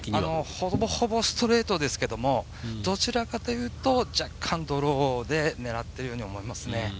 ほぼほぼストレートですけどどちらかというと若干ドローを狙っているように思いますね。